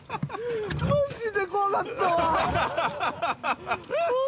マジで怖かったわ。